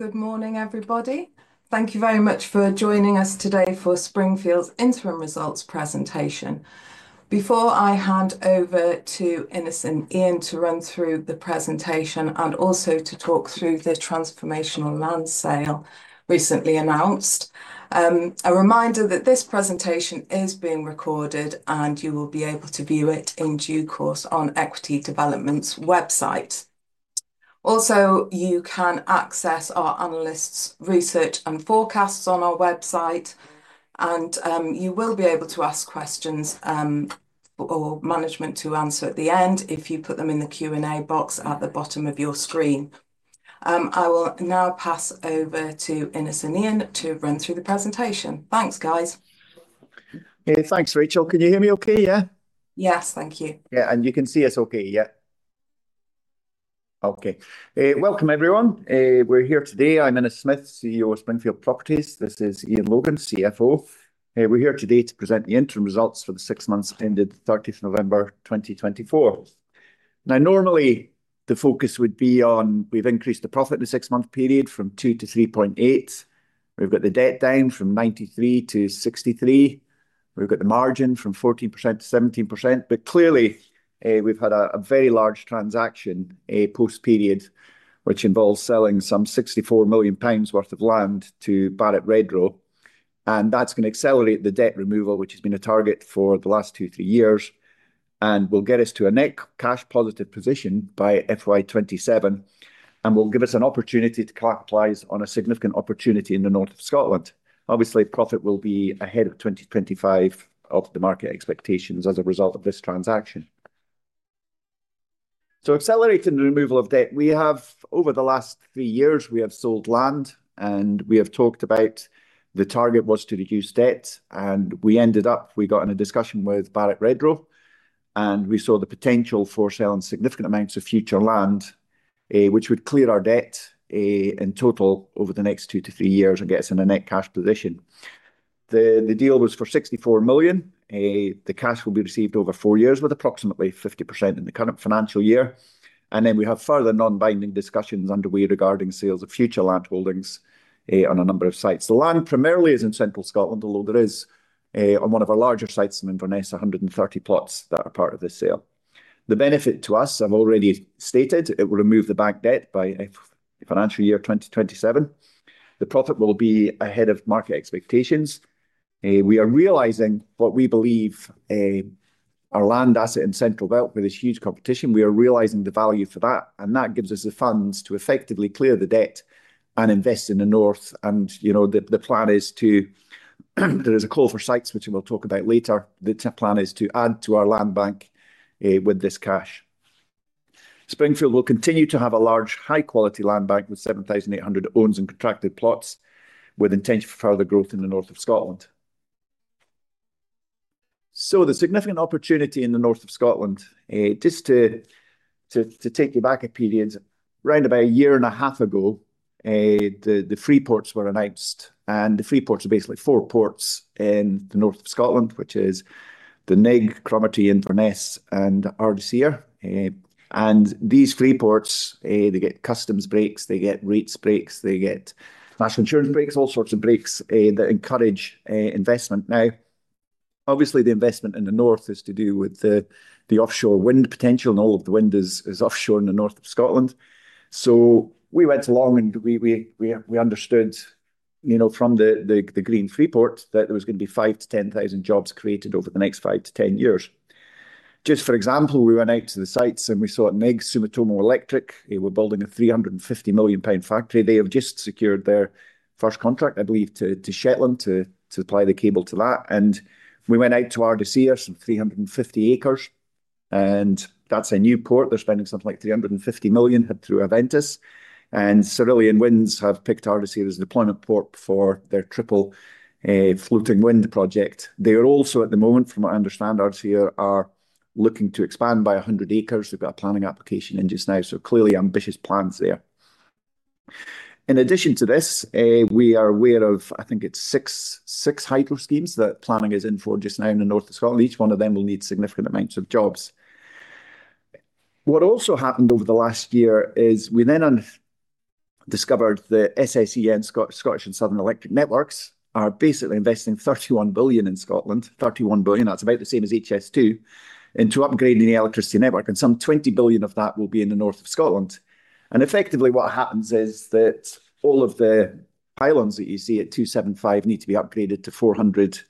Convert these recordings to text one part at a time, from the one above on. Good morning, everybody. Thank you very much for joining us today for Springfield's interim results presentation. Before I hand over to Innes and Iain to run through the presentation and also to talk through the transformational land sale recently announced, a reminder that this presentation is being recorded and you will be able to view it in due course on Equity Development's website. Also, you can access our analysts' research and forecasts on our website, and you will be able to ask questions for management to answer at the end if you put them in the Q&A box at the bottom of your screen. I will now pass over to Innes and Iain to run through the presentation. Thanks, guys. Thanks, Rachel. Can you hear me okay? Yeah. Yes, thank you. Yeah, and you can see us okay. Yeah. Okay. Welcome, everyone. We're here today. I'm Innes Smith, CEO of Springfield Properties. This is Iain Logan, CFO. We're here today to present the interim results for the six months ended 30 November 2024. Now, normally the focus would be on we've increased the profit in the six-month period from 2 million to 3.8 million. We've got the debt down from 93 million to 63 million. We've got the margin from 14% to 17%. Clearly, we've had a very large transaction post-period, which involves selling some 64 million pounds worth of land to Barratt Redrow, and that's going to accelerate the debt removal, which has been a target for the last two, three years, and will get us to a net cash-positive position by FY2027, and will give us an opportunity to capitalize on a significant opportunity in the north of Scotland. Obviously, profit will be ahead of 2025 market expectations as a result of this transaction. Accelerating the removal of debt, we have, over the last three years, sold land, and we have talked about the target was to reduce debt, and we ended up, we got in a discussion with Barratt Redrow, and we saw the potential for selling significant amounts of future land, which would clear our debt in total over the next two to three years and get us in a net cash position. The deal was for 64 million. The cash will be received over four years with approximately 50% in the current financial year. We have further non-binding discussions underway regarding sales of future land holdings on a number of sites. The land primarily is in central Scotland, although there is on one of our larger sites in Inverness, 130 plots that are part of this sale. The benefit to us, I've already stated, it will remove the bank debt by financial year 2027. The profit will be ahead of market expectations. We are realizing what we believe our land asset in Central Belt, where there's huge competition, we are realizing the value for that, and that gives us the funds to effectively clear the debt and invest in the north. You know, the plan is to, there is a call for sites, which we'll talk about later. The plan is to add to our land bank with this cash. Springfield will continue to have a large, high-quality land bank with 7,800 owned and contracted plots, with intention for further growth in the north of Scotland. The significant opportunity in the north of Scotland, just to take you back a period, around about a year and a half ago, the freeports were announced, and the freeports are basically four ports in the north of Scotland, which is the Nigg, Cromarty, Inverness, and Ardersier. These freeports, they get customs breaks, they get rates breaks, they get national insurance breaks, all sorts of breaks that encourage investment. Now, obviously, the investment in the north is to do with the offshore wind potential, and all of the wind is offshore in the north of Scotland. We went along and we understood, you know, from the green freeport that there was going to be 5,000-10,000 jobs created over the next 5-10 years. Just for example, we went out to the sites and we saw at Nigg Sumitomo Electric, they were building a 350 million pound factory. They have just secured their first contract, I believe, to Shetland to supply the cable to that. We went out to Ardersier, some 350 acres, and that is a new port. They are spending something like 350 million through Haventus, and Cerulean Winds have picked Ardersier as a deployment port for their triple floating wind project. They are also at the moment, from what I understand, Ardersier are looking to expand by 100 acres. They have got a planning application in just now, so clearly ambitious plans there. In addition to this, we are aware of, I think it is six hydro schemes that planning is in for just now in the north of Scotland. Each one of them will need significant amounts of jobs. What also happened over the last year is we then discovered that SSEN, Scottish and Southern Electricity Networks, are basically investing 31 billion in Scotland, 31 billion, that's about the same as HS2, into upgrading the electricity network, and some 20 billion of that will be in the north of Scotland. Effectively, what happens is that all of the pylons that you see at 275 need to be upgraded to 400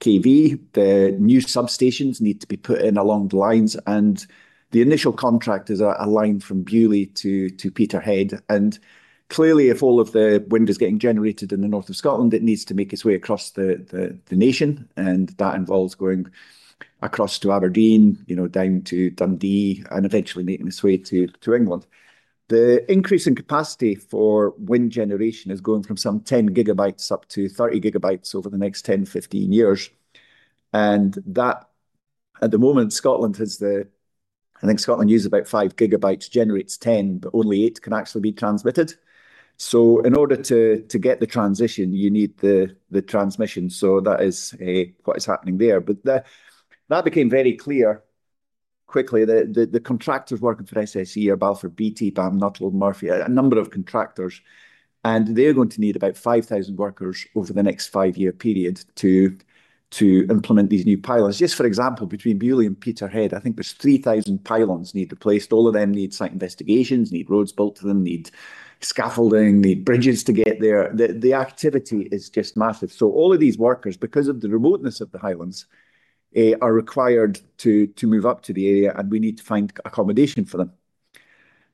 kV. The new substations need to be put in along the lines, and the initial contract is a line from Beauly to Peterhead. Clearly, if all of the wind is getting generated in the north of Scotland, it needs to make its way across the nation, and that involves going across to Aberdeen, you know, down to Dundee and eventually making its way to England. The increase in capacity for wind generation is going from some 10 gigawatts up to 30 gigawatts over the next 10-15 years. At the moment, Scotland has the, I think Scotland uses about 5 gigawatts, generates 10, but only 8 can actually be transmitted. In order to get the transition, you need the transmission. That is what is happening there. That became very clear quickly that the contractors working for SSEN are Balfour Beatty, BAM Nuttall, J Murphy & Sons, a number of contractors, and they're going to need about 5,000 workers over the next five-year period to implement these new pylons. For example, between Beauly and Peterhead, I think there's 3,000 pylons need replaced. All of them need site investigations, need roads built to them, need scaffolding, need bridges to get there. The activity is just massive. All of these workers, because of the remoteness of the Highlands, are required to move up to the area, and we need to find accommodation for them.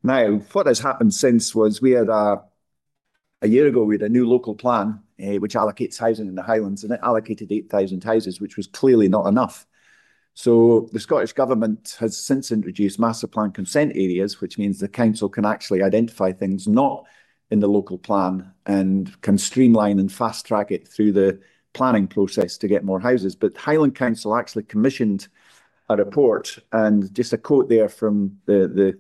Now, what has happened since was, a year ago, we had a new local plan, which allocates housing in the Highlands, and it allocated 8,000 houses, which was clearly not enough. The Scottish government has since introduced Masterplan Consent Areas, which means the council can actually identify things not in the local plan and can streamline and fast track it through the planning process to get more houses. Highland Council actually commissioned a report, and just a quote there from the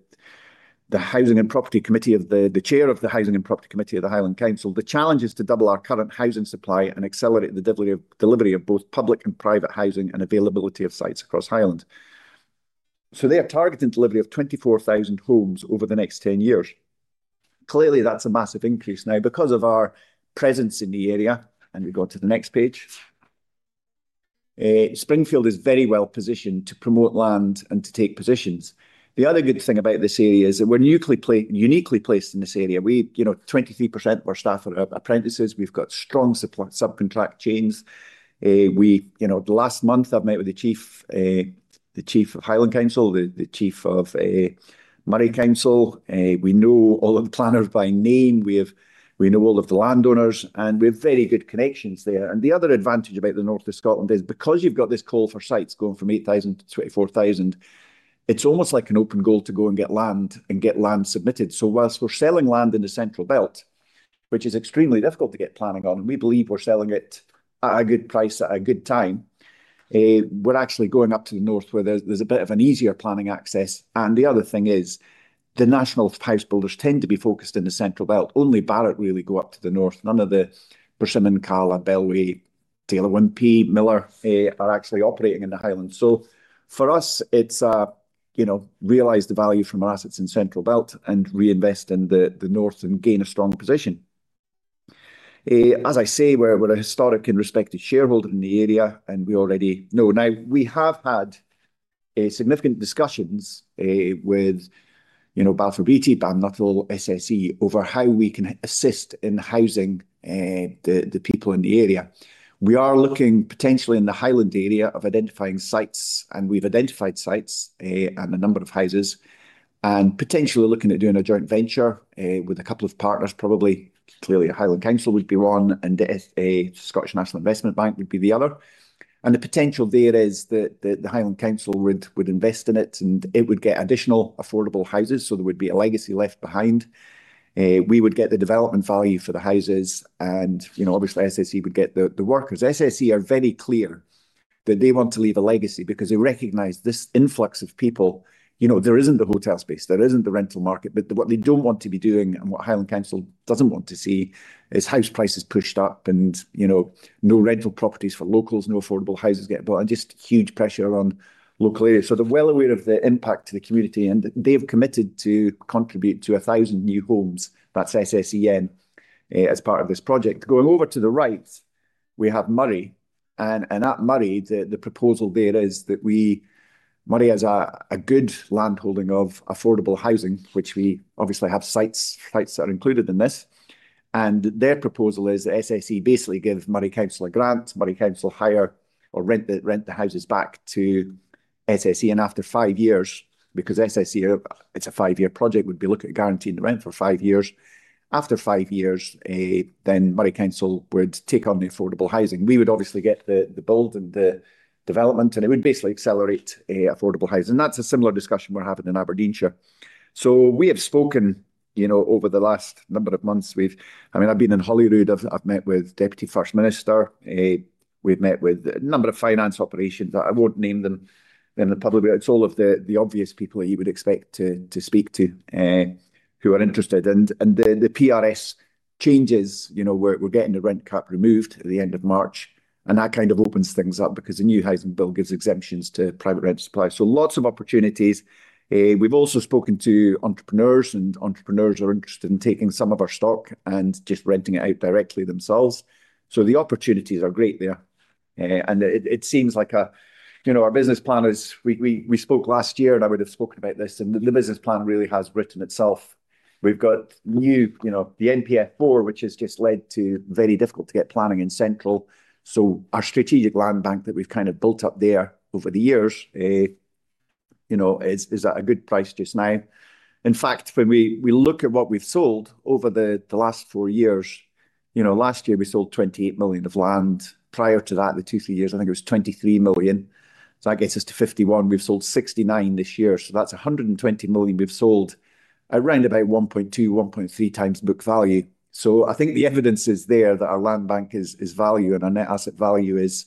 Housing and Property Committee of the chair of the Housing and Property Committee of the Highland Council, "The challenge is to double our current housing supply and accelerate the delivery of both public and private housing and availability of sites across Highlands." They are targeting delivery of 24,000 homes over the next 10 years. Clearly, that's a massive increase. Now, because of our presence in the area, and we go to the next page, Springfield is very well positioned to promote land and to take positions. The other good thing about this area is that we're uniquely placed in this area. You know, 23% of our staff are apprentices. We've got strong subcontract chains. We, you know, the last month, I've met with the Chief of Highland Council, the Chief of Moray Council. We know all of the planners by name. We know all of the landowners, and we have very good connections there. The other advantage about the north of Scotland is, because you've got this call for sites going from 8,000 to 24,000, it's almost like an open goal to go and get land and get land submitted. Whilst we're selling land in the central belt, which is extremely difficult to get planning on, and we believe we're selling it at a good price at a good time, we're actually going up to the north where there's a bit of an easier planning access. The other thing is the national housebuilders tend to be focused in the central belt. Only Barratt Redrow really go up to the north. None of the Persimmon, Cala, Bellway, Taylor Wimpey, Miller are actually operating in the Highlands. For us, it's a, you know, realize the value from our assets in Central Belt and reinvest in the north and gain a strong position. As I say, we're a historic and respected shareholder in the area, and we already know. Now, we have had significant discussions with, you know, Balfour Beatty, BAM Nuttall, SSEN over how we can assist in housing the people in the area. We are looking potentially in the Highland area of identifying sites, and we've identified sites and a number of houses, and potentially looking at doing a joint venture with a couple of partners, probably. Clearly, Highland Council would be one, and Scottish National Investment Bank would be the other. The potential there is that the Highland Council would invest in it, and it would get additional affordable houses, so there would be a legacy left behind. We would get the development value for the houses, and, you know, obviously, SSEN would get the workers. SSEN are very clear that they want to leave a legacy because they recognize this influx of people. You know, there isn't the hotel space, there isn't the rental market, but what they don't want to be doing and what Highland Council doesn't want to see is house prices pushed up and, you know, no rental properties for locals, no affordable houses get built, and just huge pressure on local areas. They are well aware of the impact to the community, and they've committed to contribute to 1,000 new homes. That's SSEN as part of this project. Going over to the right, we have Moray, and at Moray, the proposal there is that we, Moray has a good land holding of affordable housing, which we obviously have sites that are included in this. Their proposal is that SSEN basically gives Moray Council a grant, Moray Council hire or rent the houses back to SSEN, and after five years, because SSEN, it's a five-year project, would be looking at guaranteeing the rent for five years. After five years, then Moray Council would take on the affordable housing. We would obviously get the build and the development, and it would basically accelerate affordable housing. That is a similar discussion we're having in Aberdeenshire. We have spoken, you know, over the last number of months. I mean, I've been in Holyrood. I've met with Deputy First Minister. We've met with a number of finance operations. I won't name them in the public. It's all of the obvious people you would expect to speak to who are interested. The PRS changes, you know, we're getting the rent cap removed at the end of March, and that kind of opens things up because the new housing bill gives exemptions to private rent supply. Lots of opportunities. We've also spoken to entrepreneurs, and entrepreneurs are interested in taking some of our stock and just renting it out directly themselves. The opportunities are great there. It seems like a, you know, our business plan is, we spoke last year, and I would have spoken about this, and the business plan really has written itself. We've got new, you know, the NPF4, which has just led to very difficult to get planning in central. Our strategic land bank that we've kind of built up there over the years, you know, is at a good price just now. In fact, when we look at what we've sold over the last four years, you know, last year we sold 28 million of land. Prior to that, the two, three years, I think it was 23 million. That gets us to 51 million. We've sold 69 million this year. That's 120 million we've sold, around about 1.2-1.3 times book value. I think the evidence is there that our land bank is value and our net asset value is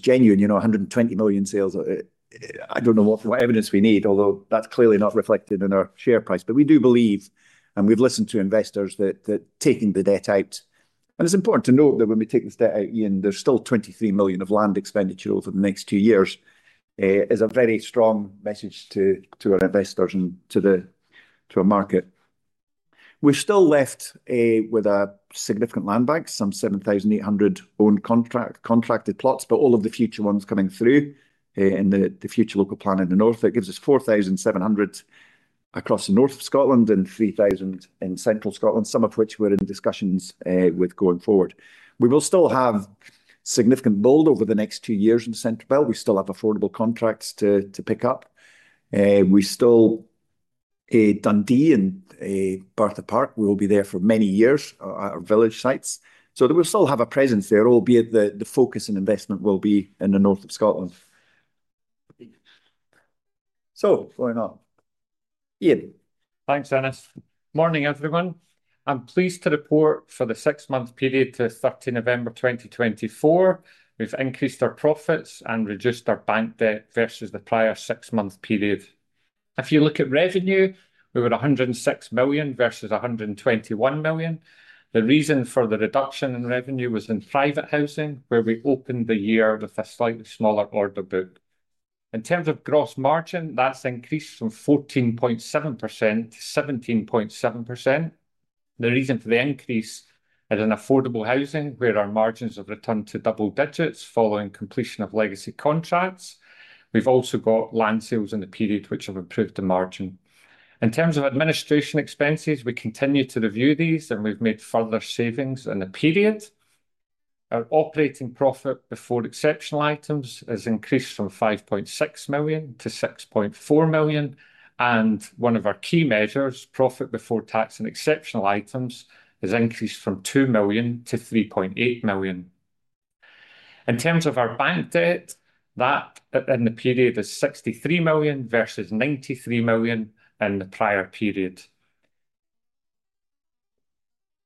genuine. You know, 120 million sales. I don't know what evidence we need, although that's clearly not reflected in our share price. We do believe, and we've listened to investors that taking the debt out. It is important to note that when we take this debt out, Iain, there is still 23 million of land expenditure over the next two years. It is a very strong message to our investors and to our market. We are still left with a significant land bank, some 7,800 owned contracted plots, but all of the future ones coming through in the future local plan in the north, that gives us 4,700 across the north of Scotland and 3,000 in central Scotland, some of which we are in discussions with going forward. We will still have significant build over the next two years in central belt. We still have affordable contracts to pick up. We still, Dundee and Bertha Park, we will be there for many years, our village sites. We will still have a presence there, albeit the focus and investment will be in the north of Scotland. Going on. Iain. Thanks, Innes. Morning, everyone. I'm pleased to report for the six-month period to 30 November 2024, we've increased our profits and reduced our bank debt versus the prior six-month period. If you look at revenue, we were 106 million versus 121 million. The reason for the reduction in revenue was in private housing, where we opened the year with a slightly smaller order book. In terms of gross margin, that's increased from 14.7% to 17.7%. The reason for the increase is in affordable housing, where our margins have returned to double digits following completion of legacy contracts. We've also got land sales in the period which have improved the margin. In terms of administration expenses, we continue to review these, and we've made further savings in the period. Our operating profit before exceptional items has increased from 5.6 million to 6.4 million. One of our key measures, profit before tax and exceptional items, has increased from 2 million to 3.8 million. In terms of our bank debt, that in the period is 63 million versus 93 million in the prior period.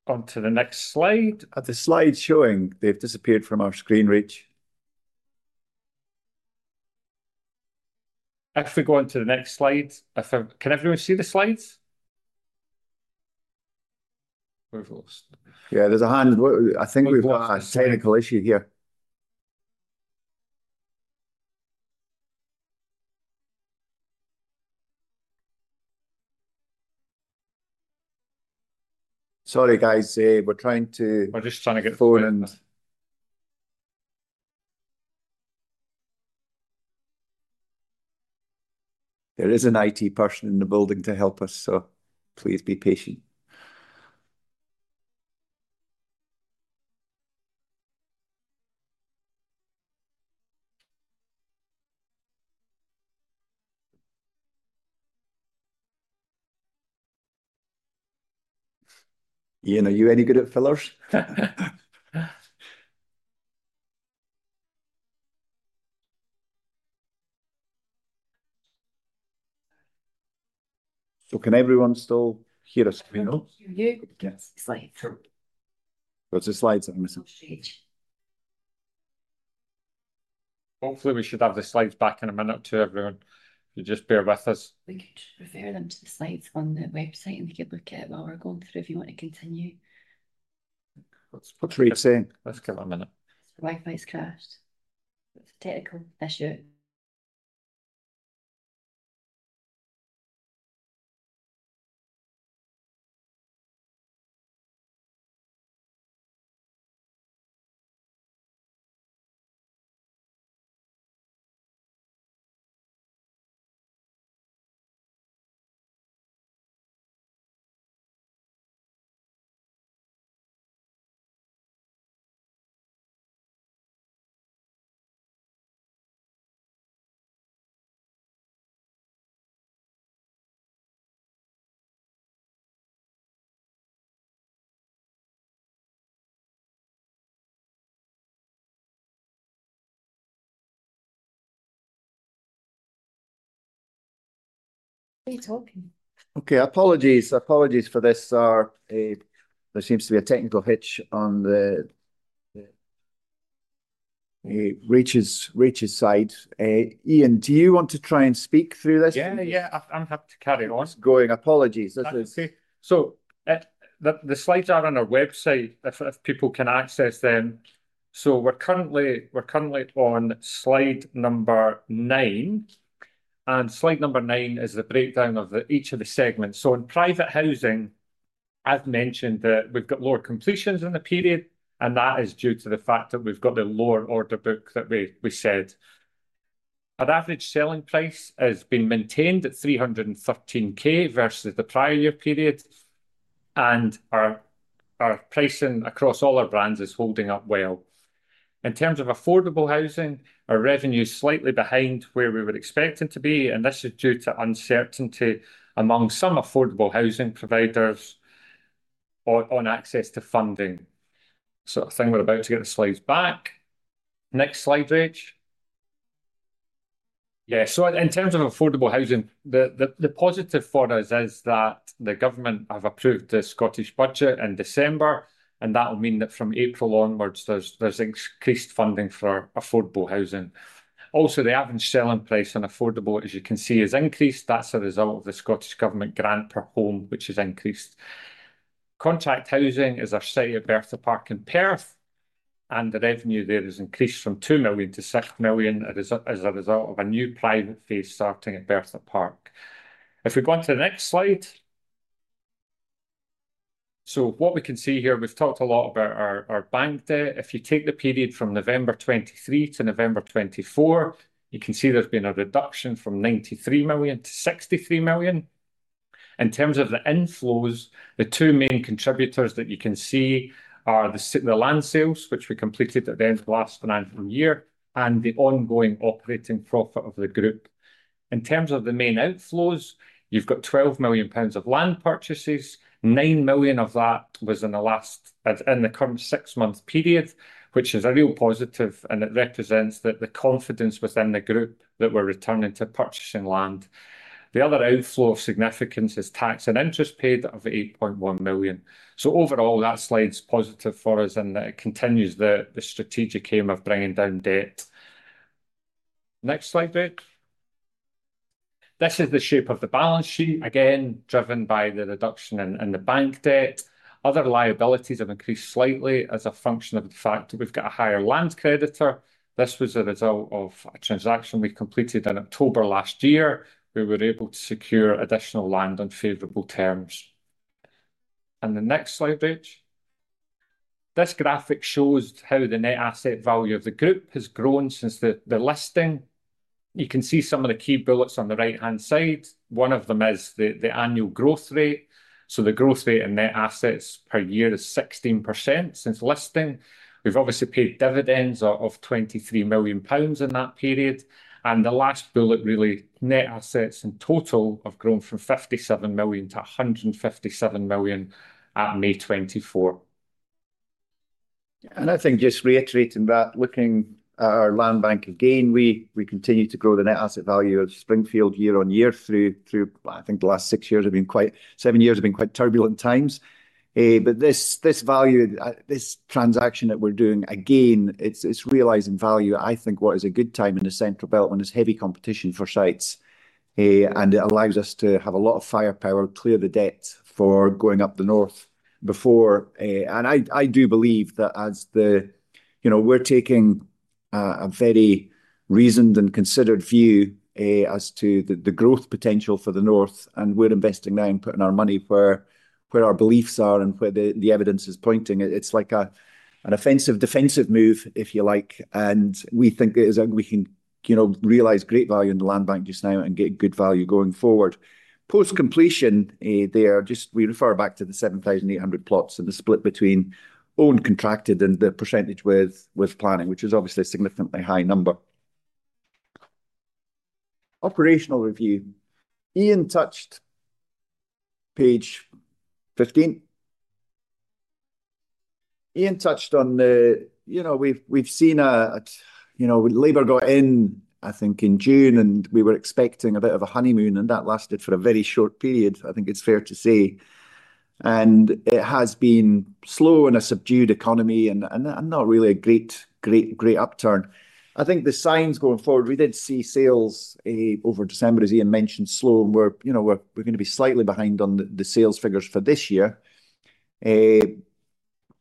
On to the next slide. Are the slides showing? They've disappeared from our screen reach. If we go on to the next slide, can everyone see the slides? Yeah, there's a hand. I think we've got a technical issue here. Sorry, guys, we're trying to. We're just trying to get the phone in. There is an IT person in the building to help us, so please be patient. Iain, are you any good at fillers? Can everyone still hear us? We know. What's the slides? Hopefully, we should have the slides back in a minute to everyone. Just bear with us. We can just refer them to the slides on the website and you can look at it while we're going through if you want to continue. What's Chris saying? Let's give him a minute. Wi-Fi's crashed. It's a technical issue. Okay, apologies, apologies for this. There seems to be a technical hitch on the Rachel's side. Iain, do you want to try and speak through this? Yeah, yeah, I'm happy to carry on. Just going, apologies. The slides are on our website if people can access them. We're currently on slide number nine, and slide number nine is the breakdown of each of the segments. In private housing, I've mentioned that we've got lower completions in the period, and that is due to the fact that we've got the lower order book that we said. Our average selling price has been maintained at 313,000 versus the prior year period, and our pricing across all our brands is holding up well. In terms of affordable housing, our revenue is slightly behind where we were expecting to be, and this is due to uncertainty among some affordable housing providers on access to funding. I think we're about to get the slides back. Next slide, Rach. In terms of affordable housing, the positive for us is that the government has approved the Scottish budget in December, and that will mean that from April onwards, there is increased funding for affordable housing. Also, the average selling price on affordable, as you can see, has increased. That is a result of the Scottish government grant per home, which has increased. Contract housing is our site at Bertha Park in Perth, and the revenue there has increased from 2 million to 6 million as a result of a new private phase starting at Bertha Park. If we go on to the next slide. What we can see here, we've talked a lot about our bank debt. If you take the period from November 2023 to November 2024, you can see there's been a reduction from 93 million to 63 million. In terms of the inflows, the two main contributors that you can see are the land sales, which we completed at the end of last financial year, and the ongoing operating profit of the group. In terms of the main outflows, you've got 12 million pounds of land purchases. 9 million of that was in the last, in the current six-month period, which is a real positive, and it represents the confidence within the group that we're returning to purchasing land. The other outflow of significance is tax and interest paid of 8.1 million. Overall, that slide's positive for us, and it continues the strategic aim of bringing down debt. Next slide, Rach. This is the shape of the balance sheet, again driven by the reduction in the bank debt. Other liabilities have increased slightly as a function of the fact that we've got a higher land creditor. This was a result of a transaction we completed in October last year. We were able to secure additional land on favorable terms. Next slide, Rach. This graphic shows how the net asset value of the group has grown since the listing. You can see some of the key bullets on the right-hand side. One of them is the annual growth rate. The growth rate in net assets per year is 16% since listing. We have obviously paid dividends of 23 million pounds in that period. The last bullet really, net assets in total have grown from 57 million to 157 million at May 2024. I think just reiterating that, looking at our land bank again, we continue to grow the net asset value of Springfield year on year through, I think the last six years have been quite, seven years have been quite turbulent times. This value, this transaction that we are doing again, it is realizing value. I think what is a good time in the central belt when there is heavy competition for sites. It allows us to have a lot of firepower to clear the debt for going up the north before. I do believe that as the, you know, we're taking a very reasoned and considered view as to the growth potential for the north, and we're investing now and putting our money where our beliefs are and where the evidence is pointing. It's like an offensive defensive move, if you like. We think that we can, you know, realize great value in the land bank just now and get good value going forward. Post completion there, just we refer back to the 7,800 plots and the split between owned contracted and the percentage with planning, which is obviously a significantly high number. Operational review. Iain touched page 15. Iain touched on the, you know, we've seen a, you know, Labour got in, I think in June, and we were expecting a bit of a honeymoon, and that lasted for a very short period, I think it's fair to say. It has been slow in a subdued economy and not really a great, great, great upturn. I think the signs going forward, we did see sales over December, as Iain mentioned, slow, and we're, you know, we're going to be slightly behind on the sales figures for this year.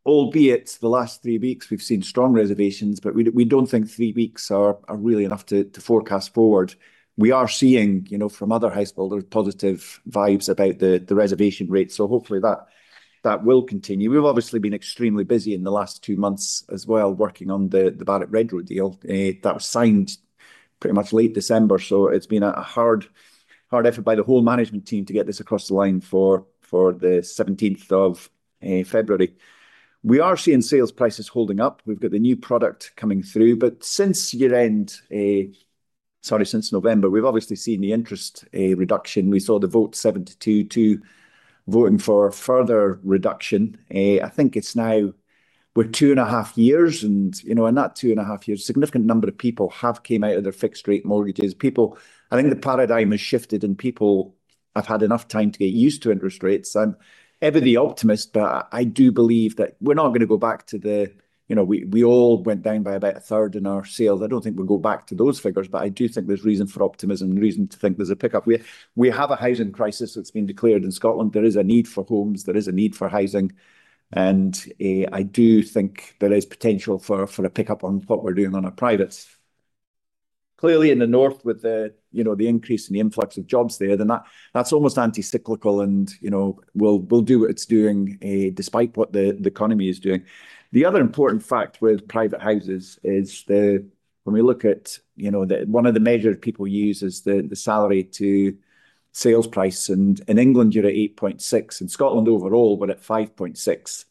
Albeit the last three weeks we've seen strong reservations, but we don't think three weeks are really enough to forecast forward. We are seeing, you know, from other housebuilders, positive vibes about the reservation rate. Hopefully that will continue. We've obviously been extremely busy in the last two months as well, working on the Barratt Redrow deal that was signed pretty much late December. It has been a hard effort by the whole management team to get this across the line for the 17th of February. We are seeing sales prices holding up. We've got the new product coming through, but since year-end, sorry, since November, we've obviously seen the interest reduction. We saw the vote 7-2 to voting for further reduction. I think it's now, we're two and a half years and, you know, in that two and a half years, a significant number of people have come out of their fixed rate mortgages. People, I think the paradigm has shifted and people have had enough time to get used to interest rates. I'm heavily optimist, but I do believe that we're not going to go back to the, you know, we all went down by about a third in our sales. I don't think we'll go back to those figures, but I do think there's reason for optimism and reason to think there's a pickup. We have a housing crisis that's been declared in Scotland. There is a need for homes. There is a need for housing. I do think there is potential for a pickup on what we're doing on our privates. Clearly in the north with the, you know, the increase in the influx of jobs there, that's almost anti-cyclical and, you know, we'll do what it's doing despite what the economy is doing. The other important fact with private houses is when we look at, you know, one of the measures people use is the salary to sales price. In England, you're at 8.6. In Scotland overall, we're at 5.6.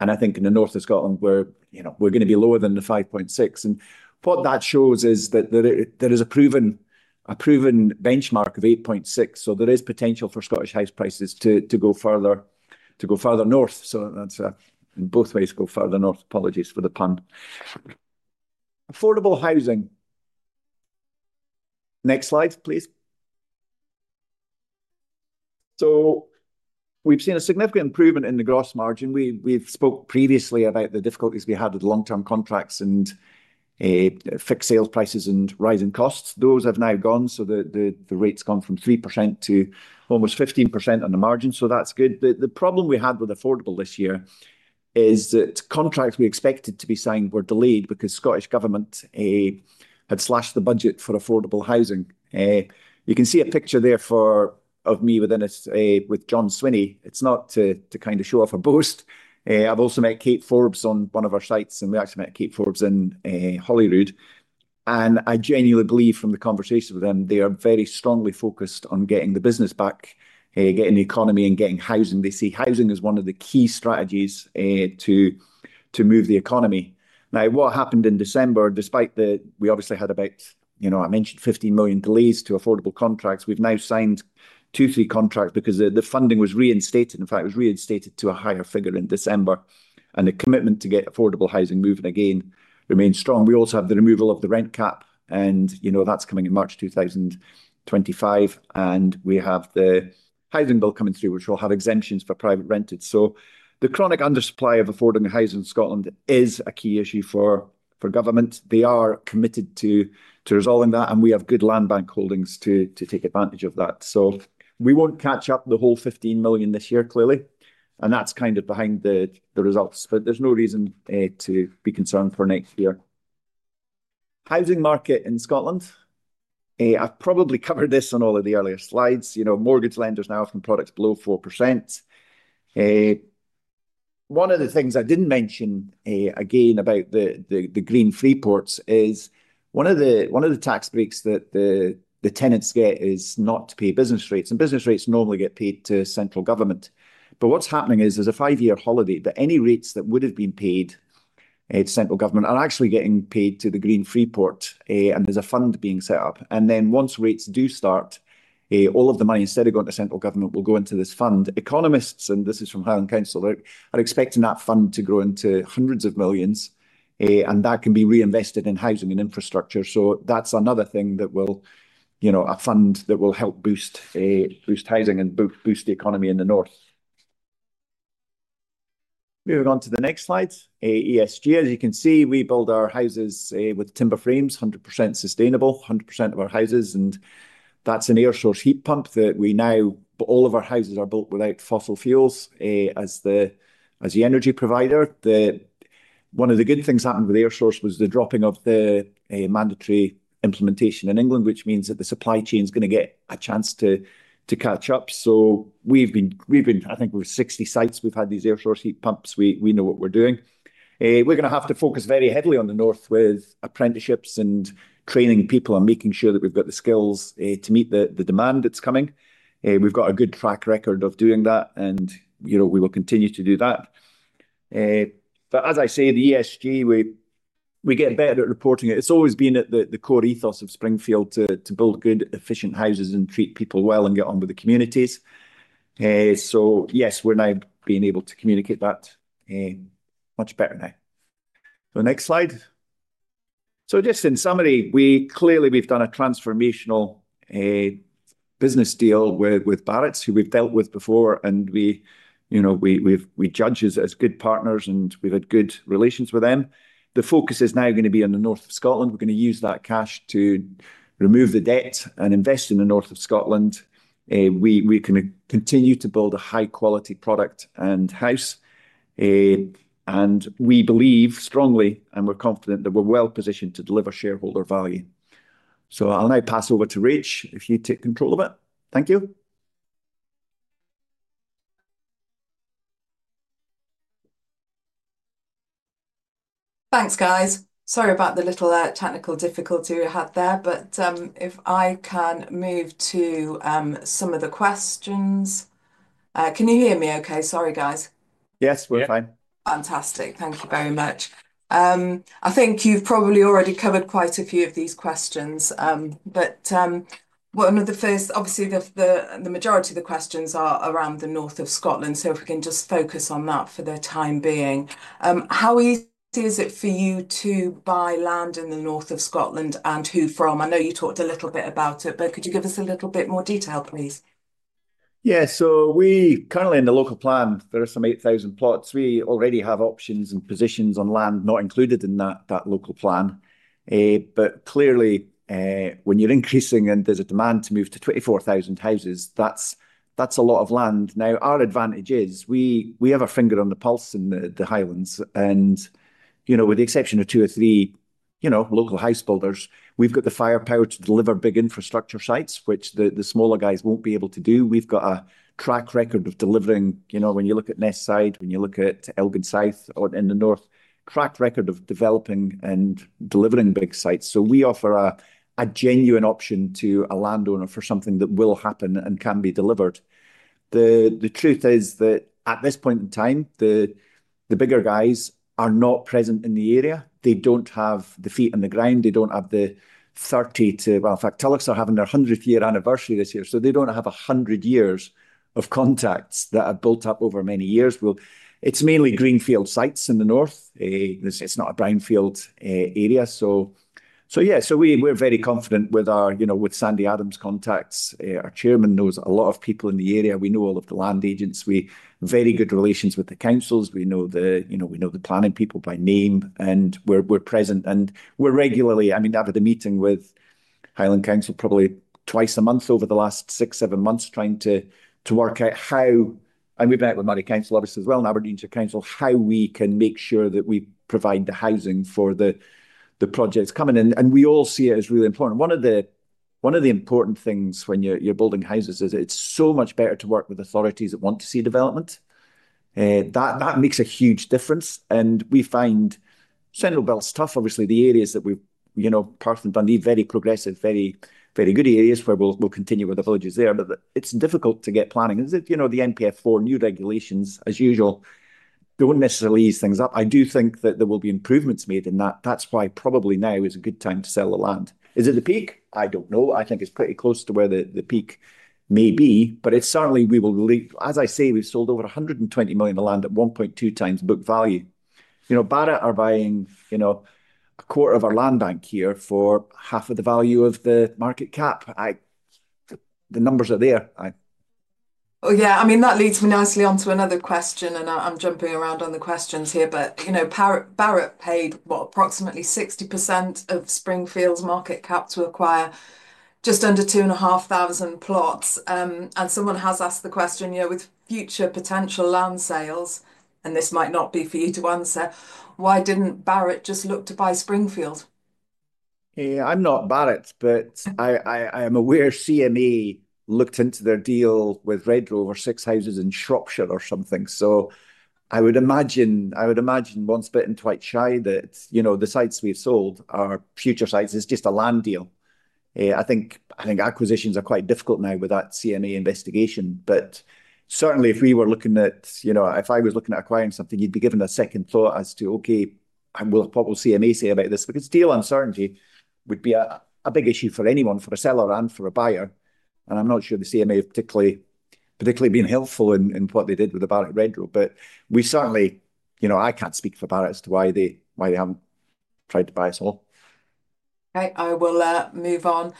I think in the north of Scotland, we're, you know, we're going to be lower than the 5.6. What that shows is that there is a proven benchmark of 8.6. There is potential for Scottish house prices to go further, to go further north. That is in both ways, go further north. Apologies for the pun. Affordable housing. Next slide, please. We have seen a significant improvement in the gross margin. We have spoke previously about the difficulties we had with long-term contracts and fixed sales prices and rising costs. Those have now gone. The rates have gone from 3% to almost 15% on the margin. That is good. The problem we had with affordable this year is that contracts we expected to be signed were delayed because the Scottish government had slashed the budget for affordable housing. You can see a picture there of me with John Swinney. It's not to kind of show off a boast. I've also met Kate Forbes on one of our sites, and we actually met Kate Forbes in Holyrood. I genuinely believe from the conversation with them, they are very strongly focused on getting the business back, getting the economy and getting housing. They see housing as one of the key strategies to move the economy. Now, what happened in December, despite the, we obviously had about, you know, I mentioned 15 million delays to affordable contracts, we've now signed two, three contracts because the funding was reinstated. In fact, it was reinstated to a higher figure in December. The commitment to get affordable housing moving again remains strong. We also have the removal of the rent cap, and you know, that's coming in March 2025. We have the housing bill coming through, which will have exemptions for private rented. The chronic undersupply of affordable housing in Scotland is a key issue for government. They are committed to resolving that, and we have good land bank holdings to take advantage of that. We will not catch up the whole 15 million this year, clearly. That is kind of behind the results, but there is no reason to be concerned for next year. Housing market in Scotland. I have probably covered this on all of the earlier slides. You know, mortgage lenders now have some products below 4%. One of the things I didn't mention again about the Green Free Ports is one of the tax breaks that the tenants get is not to pay business rates. Business rates normally get paid to central government. What's happening is there's a five-year holiday that any rates that would have been paid to central government are actually getting paid to the Green Free Port. There's a fund being set up. Once rates do start, all of the money instead of going to central government will go into this fund. Economists, and this is from Highland Council, are expecting that fund to grow into hundreds of millions. That can be reinvested in housing and infrastructure. That's another thing that will, you know, a fund that will help boost housing and boost the economy in the north. Moving on to the next slide, ESG. As you can see, we build our houses with timber frames, 100% sustainable, 100% of our houses. That is an air source heat pump that we now, all of our houses are built without fossil fuels as the energy provider. One of the good things that happened with air source was the dropping of the mandatory implementation in England, which means that the supply chain is going to get a chance to catch up. We have been, I think we are 60 sites we have had these air source heat pumps. We know what we are doing. We are going to have to focus very heavily on the north with apprenticeships and training people and making sure that we have got the skills to meet the demand that is coming. We have got a good track record of doing that. You know, we will continue to do that. As I say, the ESG, we get better at reporting it. It's always been the core ethos of Springfield to build good, efficient houses and treat people well and get on with the communities. Yes, we're now being able to communicate that much better now. The next slide. Just in summary, we clearly, we've done a transformational business deal with Barratt Redrow, who we've dealt with before. We, you know, we judge as good partners and we've had good relations with them. The focus is now going to be in the north of Scotland. We're going to use that cash to remove the debt and invest in the north of Scotland. We can continue to build a high-quality product and house. We believe strongly and we're confident that we're well positioned to deliver shareholder value. I'll now pass over to Rach if you take control of it. Thank you. Thanks, guys. Sorry about the little technical difficulty we had there, but if I can move to some of the questions. Can you hear me okay? Sorry, guys. Yes, we're fine. Fantastic. Thank you very much. I think you've probably already covered quite a few of these questions, but one of the first, obviously the majority of the questions are around the north of Scotland. If we can just focus on that for the time being. How easy is it for you to buy land in the north of Scotland and who from? I know you talked a little bit about it, but could you give us a little bit more detail, please? Yeah, we currently in the local plan, there are some 8,000 plots. We already have options and positions on land not included in that local plan. Clearly, when you're increasing and there's a demand to move to 24,000 houses, that's a lot of land. Now, our advantage is we have a finger on the pulse in the Highlands. You know, with the exception of two or three local housebuilders, we've got the firepower to deliver big infrastructure sites, which the smaller guys won't be able to do. We've got a track record of delivering, you know, when you look at Ness Side, when you look at Elgin South or in the north, track record of developing and delivering big sites. We offer a genuine option to a landowner for something that will happen and can be delivered. The truth is that at this point in time, the bigger guys are not present in the area. They don't have the feet on the ground. They don't have the 30 to, well, in fact, Tulloch Homes are having their 100th year anniversary this year. They don't have 100 years of contacts that have built up over many years. It's mainly Greenfield sites in the north. It's not a brownfield area. Yeah, we're very confident with our, you know, with Sandy Adam's contacts. Our Chairman knows a lot of people in the area. We know all of the land agents. We have very good relations with the councils. We know the, you know, we know the planning people by name. We're present and we're regularly, I mean, I've had a meeting with Highland Council probably twice a month over the last six, seven months trying to work out how, and we've met with Moray Council obviously as well and Aberdeenshire Council, how we can make sure that we provide the housing for the projects coming. We all see it as really important. One of the important things when you're building houses is it's so much better to work with authorities that want to see development. That makes a huge difference. We find central belt tough, obviously the areas that we've, you know, Perth and Dundee, very progressive, very, very good areas where we'll continue with the villages there. It's difficult to get planning. You know, the NPF4 new regulations, as usual, don't necessarily ease things up. I do think that there will be improvements made in that. That's why probably now is a good time to sell the land. Is it the peak? I don't know. I think it's pretty close to where the peak may be, but certainly we will, as I say, we've sold over 120 million of land at 1.2 times book value. You know, Barratt are buying, you know, a quarter of our land bank here for half of the value of the market cap. The numbers are there. Oh yeah, I mean, that leads me nicely on to another question, and I'm jumping around on the questions here, but you know, Barratt paid, what, approximately 60% of Springfield's market cap to acquire just under 2,500 plots. Someone has asked the question, you know, with future potential land sales, and this might not be for you to answer, why didn't Barratt just look to buy Springfield? Yeah, I'm not Barratt, but I am aware CMA looked into their deal with Redrow over six houses in Shropshire or something. I would imagine, I would imagine once bitten, twice shy that, you know, the sites we've sold are future sites. It's just a land deal. I think acquisitions are quite difficult now with that CMA investigation, but certainly if we were looking at, you know, if I was looking at acquiring something, you'd be given a second thought as to, okay, what will CMA say about this? Because deal uncertainty would be a big issue for anyone, for a seller and for a buyer. I'm not sure the CMA have particularly been helpful in what they did with the Barratt Redrow, but we certainly, you know, I can't speak for Barratt as to why they haven't tried to buy us all. I will move on.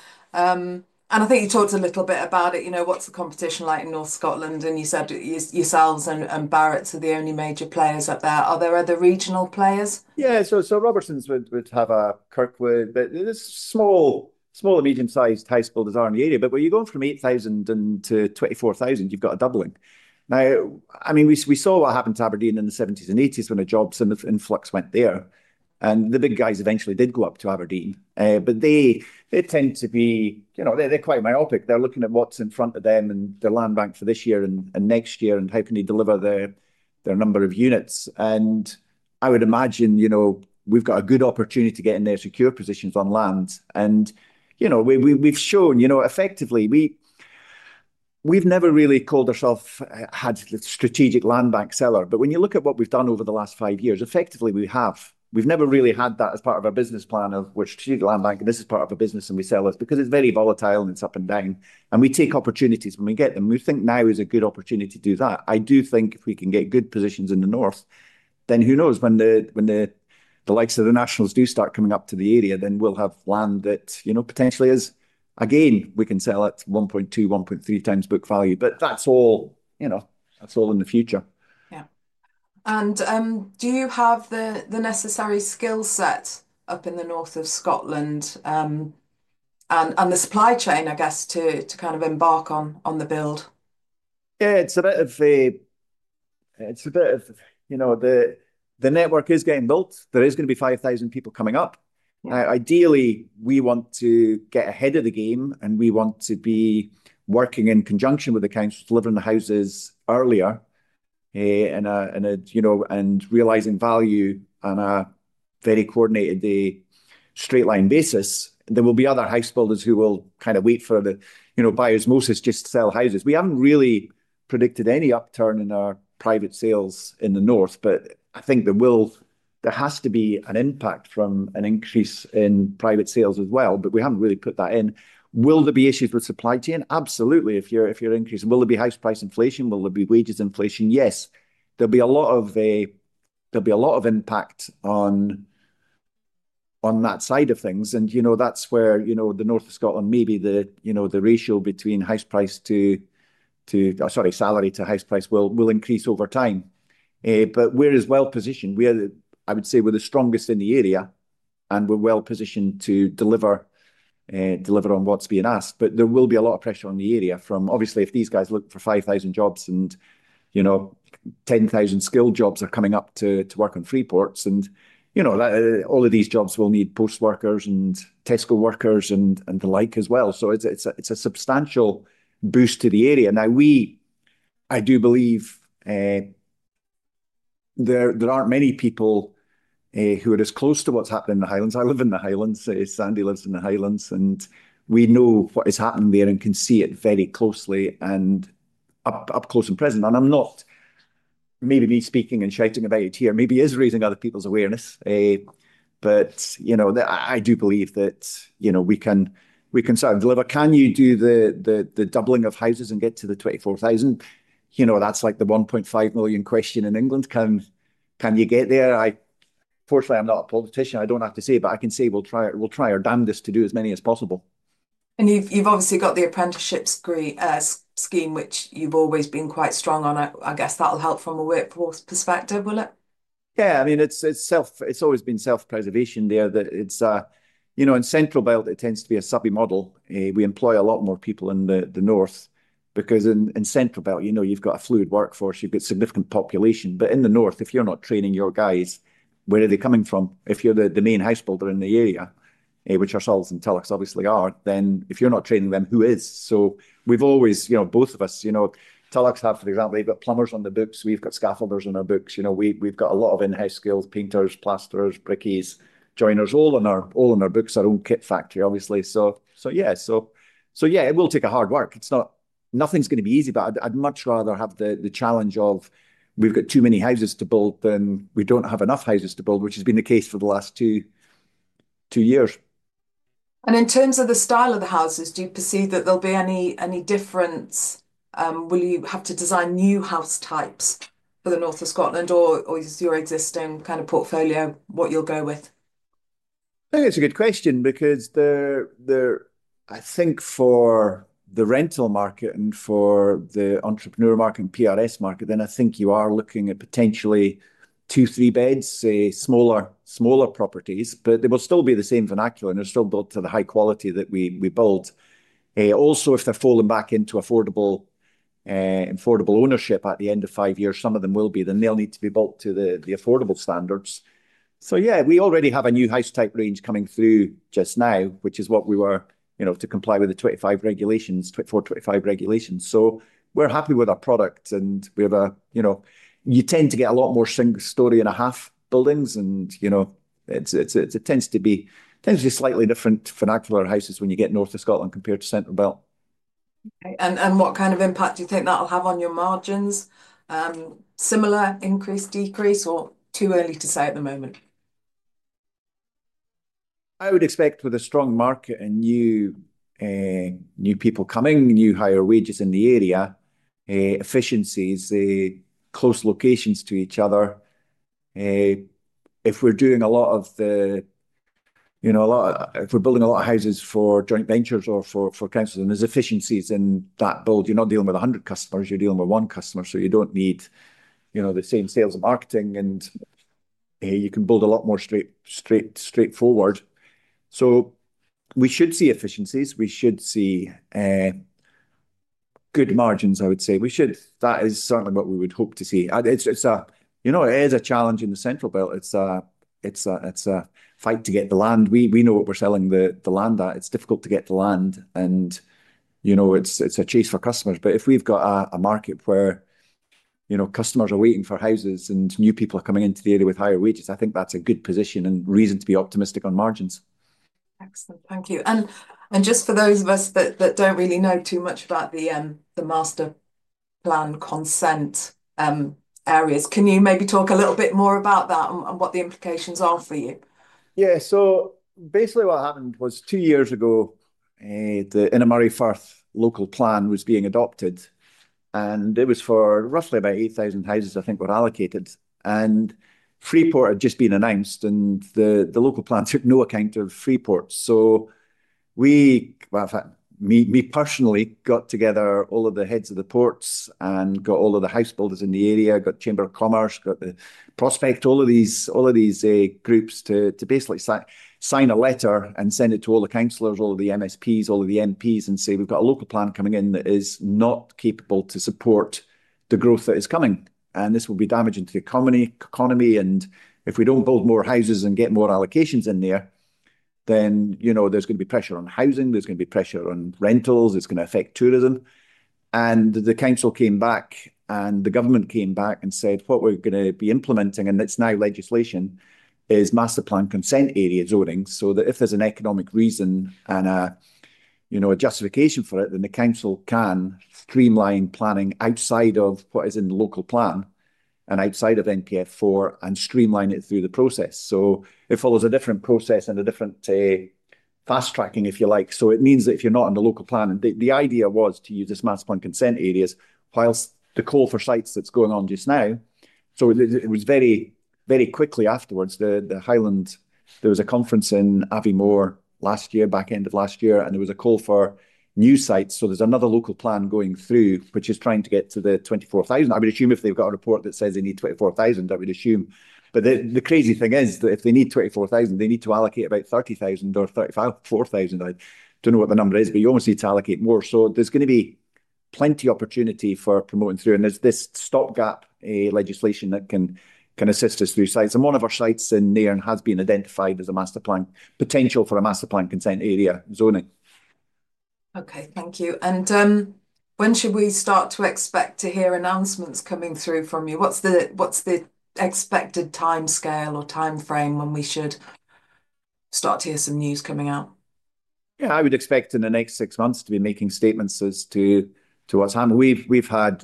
I think you talked a little bit about it, you know, what's the competition like in North Scotland? You said yourselves and Barratt are the only major players up there. Are there other regional players? Yeah, so Robertson would have a Kirkwood, but there are small, small and medium-sized households in the area, but when you go from 8,000 to 24,000, you've got a doubling. I mean, we saw what happened to Aberdeen in the 1970s and 1980s when the jobs and the influx went there. The big guys eventually did go up to Aberdeen, but they tend to be, you know, they're quite myopic. They're looking at what's in front of them and their land bank for this year and next year and how can they deliver their number of units. I would imagine, you know, we've got a good opportunity to get in there, secure positions on land. You know, we've shown, you know, effectively we've never really called ourselves a strategic land bank seller, but when you look at what we've done over the last five years, effectively we have. We've never really had that as part of our business plan of we're strategic land bank and this is part of our business and we sell us because it's very volatile and it's up and down. We take opportunities when we get them. We think now is a good opportunity to do that. I do think if we can get good positions in the north, then who knows when the likes of the nationals do start coming up to the area, then we'll have land that, you know, potentially is, again, we can sell at 1.2, 1.3 times book value, but that's all, you know, that's all in the future. Yeah. Do you have the necessary skill set up in the north of Scotland and the supply chain, I guess, to kind of embark on the build? Yeah, it's a bit of a, it's a bit of, you know, the network is getting built. There is going to be 5,000 people coming up. Ideally, we want to get ahead of the game and we want to be working in conjunction with the council delivering the houses earlier and, you know, realizing value on a very coordinated, straight line basis. There will be other housebuilders who will kind of wait for the, you know, buyers. Most is just to sell houses. We have not really predicted any upturn in our private sales in the north, but I think there will, there has to be an impact from an increase in private sales as well, but we have not really put that in. Will there be issues with supply chain? Absolutely. If you are increasing, will there be house price inflation? Will there be wages inflation? Yes. There will be a lot of, there will be a lot of impact on that side of things. You know, that is where, you know, the north of Scotland, maybe the, you know, the ratio between salary to house price will increase over time. We are as well positioned. We're, I would say we're the strongest in the area and we're well positioned to deliver on what's being asked. There will be a lot of pressure on the area from, obviously, if these guys look for 5,000 jobs and, you know, 10,000 skilled jobs are coming up to work on free ports. You know, all of these jobs will need post workers and Tesco workers and the like as well. It is a substantial boost to the area. Now, I do believe there aren't many people who are as close to what's happening in the Highlands. I live in the Highlands. Sandy lives in the Highlands. We know what is happening there and can see it very closely and up close and present. I'm not, maybe me speaking and shouting about it here, maybe it is raising other people's awareness. You know, I do believe that, you know, we can sort of deliver. Can you do the doubling of houses and get to the 24,000? You know, that's like the $1.5 million question in England. Can you get there? Fortunately, I'm not a politician. I don't have to say, but I can say we'll try our damnedest to do as many as possible. You've obviously got the apprenticeship scheme, which you've always been quite strong on. I guess that'll help from a workforce perspective, will it? Yeah, I mean, it's always been self-preservation there that it's, you know, in Central Belt, it tends to be a subby model. We employ a lot more people in the north because in Central Belt, you know, you've got a fluid workforce, you've got significant population. In the north, if you're not training your guys, where are they coming from? If you're the main housebuilder in the area, which ourselves and Tulloch Homes obviously are, then if you're not training them, who is? We've always, you know, both of us, you know, Tulloch Homes have, for example, they've got plumbers on the books. We've got scaffolders on our books. We've got a lot of in-house skills, painters, plasterers, brickies, joiners, all on our books, our own kit factory, obviously. Yeah, it will take hard work. It's not, nothing's going to be easy, but I'd much rather have the challenge of we've got too many houses to build than we don't have enough houses to build, which has been the case for the last two years. In terms of the style of the houses, do you perceive that there'll be any difference? Will you have to design new house types for the north of Scotland or is your existing kind of portfolio what you'll go with? I think it's a good question because for the rental market and for the entrepreneur market and PRS market, then I think you are looking at potentially two, three beds, say, smaller, smaller properties, but they will still be the same vernacular and they're still built to the high quality that we build. Also, if they're fallen back into affordable ownership at the end of five years, some of them will be, then they'll need to be built to the affordable standards. Yeah, we already have a new house type range coming through just now, which is what we were, you know, to comply with the 2024, 2025 regulations. We are happy with our product and we have a, you know, you tend to get a lot more single story and a half buildings and, you know, it tends to be slightly different vernacular houses when you get north of Scotland compared to Central Belt. Okay. What kind of impact do you think that will have on your margins? Similar, increase, decrease, or too early to say at the moment? I would expect with a strong market and new people coming, new higher wages in the area, efficiencies, close locations to each other. If we're doing a lot of the, you know, a lot of, if we're building a lot of houses for joint ventures or for councils, there's efficiencies in that build. You're not dealing with 100 customers. You're dealing with one customer. You don't need, you know, the same sales and marketing and you can build a lot more straightforward. We should see efficiencies. We should see good margins, I would say. We should. That is certainly what we would hope to see. It is a challenge in the Central Belt. It's a fight to get the land. We know what we're selling the land at. It's difficult to get the land. You know, it's a chase for customers. If we've got a market where, you know, customers are waiting for houses and new people are coming into the area with higher wages, I think that's a good position and reason to be optimistic on margins. Excellent. Thank you. Just for those of us that don't really know too much about the master plan consent areas, can you maybe talk a little bit more about that and what the implications are for you? Yeah. Basically what happened was two years ago, the Inner Moray Firth local plan was being adopted. It was for roughly about 8,000 houses, I think, were allocated. Freeport had just been announced and the local plan took no account of Freeport. I personally got together all of the heads of the ports and got all of the housebuilders in the area, got the Chamber of Commerce, got the prospect, all of these groups to basically sign a letter and send it to all the councilors, all of the MSPs, all of the MPs and say, we've got a local plan coming in that is not capable to support the growth that is coming. This will be damaging to the economy. If we don't build more houses and get more allocations in there, then, you know, there's going to be pressure on housing. There's going to be pressure on rentals. It's going to affect tourism. The council came back and the government came back and said, what we're going to be implementing, and it's now legislation, is master plan consent area zoning. If there's an economic reason and a, you know, a justification for it, then the council can streamline planning outside of what is in the local plan and outside of NPF4 and streamline it through the process. It follows a different process and a different fast tracking, if you like. It means that if you're not in the local plan, the idea was to use this master plan consent areas whilst the call for sites that's going on just now. It was very, very quickly afterwards, the Highlands, there was a conference in Aviemore last year, back end of last year, and there was a call for new sites. There's another local plan going through, which is trying to get to the 24,000. I would assume if they've got a report that says they need 24,000, I would assume. The crazy thing is that if they need 24,000, they need to allocate about 30,000 or 34,000. I do not know what the number is, but you almost need to allocate more. There is going to be plenty of opportunity for promoting through. There is this stopgap legislation that can assist us through sites. One of our sites in Nairn has been identified as a master plan, potential for a master plan consent area zoning. Okay. Thank you. When should we start to expect to hear announcements coming through from you? What is the expected timescale or timeframe when we should start to hear some news coming out? I would expect in the next six months to be making statements as to what has happened. I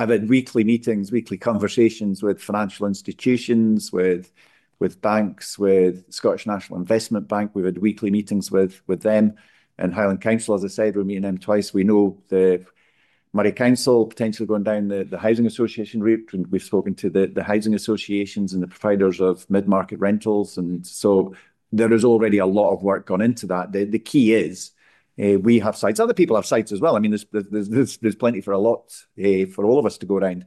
have had weekly meetings, weekly conversations with financial institutions, with banks, with Scottish National Investment Bank. We've had weekly meetings with them and Highland Council. As I said, we're meeting them twice. We know the Moray Council potentially going down the housing association route. We've spoken to the housing associations and the providers of mid-market rentals. There is already a lot of work gone into that. The key is we have sites. Other people have sites as well. I mean, there's plenty for a lot for all of us to go around.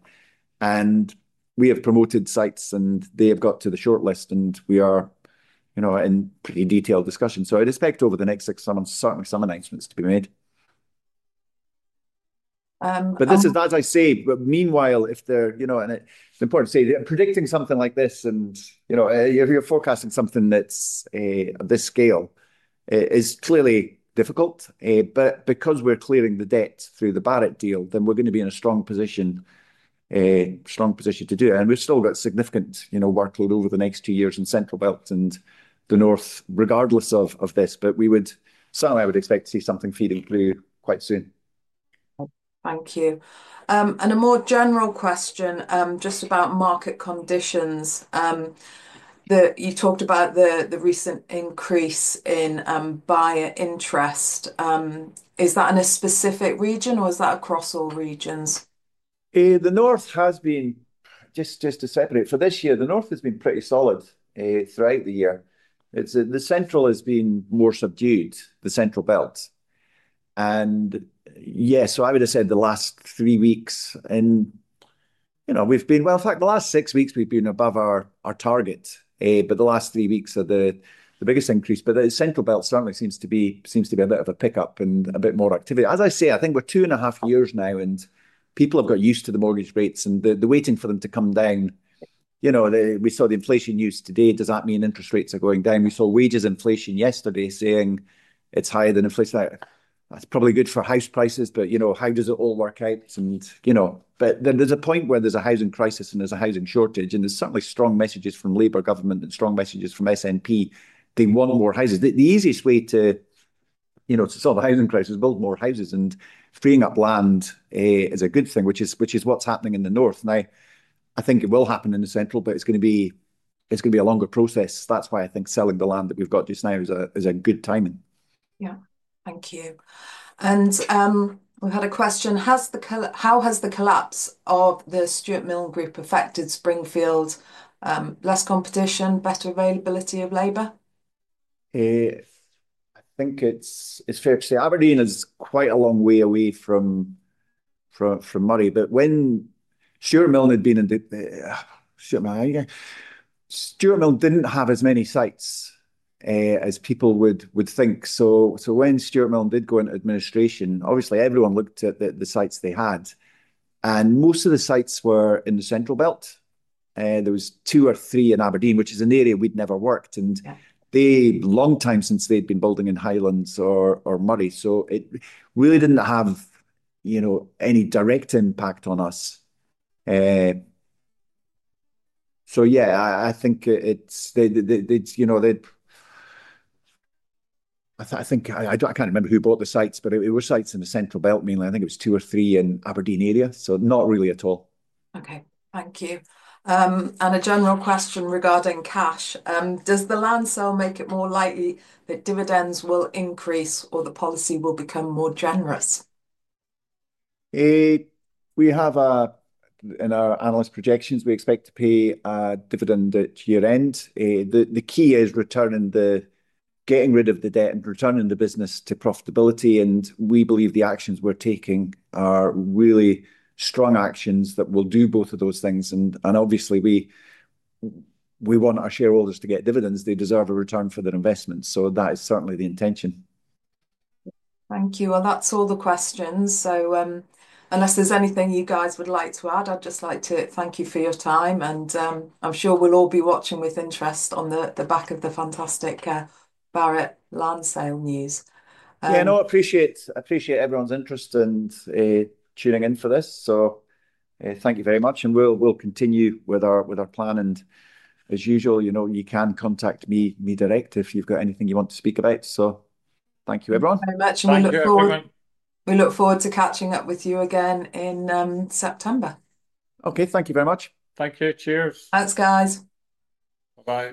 We have promoted sites and they have got to the shortlist and we are, you know, in pretty detailed discussion. I'd expect over the next six months, certainly some announcements to be made. This is, as I say, meanwhile, if they're, you know, and it's important to say they're predicting something like this and, you know, if you're forecasting something that's of this scale, it is clearly difficult. Because we're clearing the debt through the Barratt deal, we're going to be in a strong position, strong position to do it. We've still got significant, you know, workload over the next two years in Central Belt and the north, regardless of this. I would certainly expect to see something feeding through quite soon. Thank you. A more general question just about market conditions. You talked about the recent increase in buyer interest. Is that in a specific region or is that across all regions? The north has been, just to separate for this year, the north has been pretty solid throughout the year. The central has been more subdued, the Central Belt. I would have said the last three weeks and, you know, we've been, in fact, the last six weeks we've been above our target. The last three weeks are the biggest increase. The central belt certainly seems to be a bit of a pickup and a bit more activity. As I say, I think we're two and a half years now and people have got used to the mortgage rates and the waiting for them to come down. You know, we saw the inflation news today. Does that mean interest rates are going down? We saw wages inflation yesterday saying it's higher than inflation. That's probably good for house prices, but you know, how does it all work out? You know, there is a point where there's a housing crisis and there's a housing shortage. There are certainly strong messages from Labour government and strong messages from SNP building more houses. The easiest way to, you know, to solve a housing crisis, build more houses and freeing up land is a good thing, which is what's happening in the north. Now, I think it will happen in the central, but it's going to be, it's going to be a longer process. That's why I think selling the land that we've got just now is a good timing. Yeah. Thank you. We have had a question. How has the collapse of the Stewart Milne Group affected Springfield? Less competition, better availability of labor? I think it's fair to say Aberdeen is quite a long way away from Moray. When Stewart Milne had been in, Stewart Milne did not have as many sites as people would think. When Stewart Milne did go into administration, obviously everyone looked at the sites they had. Most of the sites were in the central belt. There was two or three in Aberdeen, which is an area we'd never worked. It has been a long time since they'd been building in Highlands or Moray. It really didn't have, you know, any direct impact on us. Yeah, I think it's, you know, I think I can't remember who bought the sites, but it was sites in the Central Belt, mainly. I think it was two or three in Aberdeen area. Not really at all. Okay. Thank you. A general question regarding cash. Does the land sale make it more likely that dividends will increase or the policy will become more generous? We have in our analyst projections, we expect to pay a dividend at year end. The key is returning the, getting rid of the debt and returning the business to profitability. We believe the actions we're taking are really strong actions that will do both of those things. Obviously we want our shareholders to get dividends. They deserve a return for their investments. That is certainly the intention. Thank you. That is all the questions. Unless there's anything you guys would like to add, I'd just like to thank you for your time. I'm sure we'll all be watching with interest on the back of the fantastic Barratt land sale news. Yeah, I appreciate everyone's interest and tuning in for this. Thank you very much. We'll continue with our plan. As usual, you know, you can contact me direct if you've got anything you want to speak about. Thank you, everyone. Thank you very much. We look forward to catching up with you again in September. Okay. Thank you very much. Thank you. Cheers. Thanks, guys. Bye-bye.